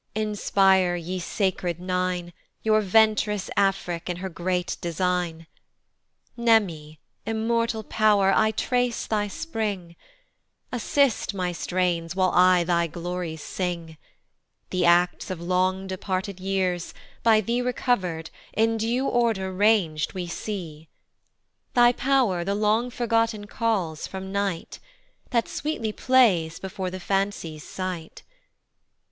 Inspire, ye sacred nine, Your vent'rous Afric in her great design. Mneme, immortal pow'r, I trace thy spring: Assist my strains, while I thy glories sing: The acts of long departed years, by thee Recover'd, in due order rang'd we see: Thy pow'r the long forgotten calls from night, That sweetly plays before the fancy's sight.